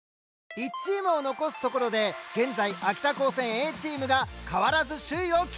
１チームを残すところで現在秋田高専Ａチームが変わらず首位をキープ。